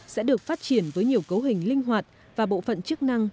sẽ được phát triển với nhiều cấu hình linh hoạt và bộ phận chức năng